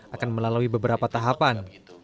akan melalui beberapa tahapan